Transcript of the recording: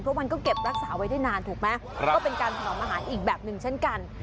เพราะมันก็เก็บรักษาไว้ได้นานถูกไหมก็เป็นการถนอมอาหารอีกแบบหนึ่งเช่นกัน